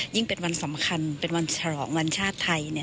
ยิ่งเป็นวันสำคัญเป็นวันฉลองวันชาติไทย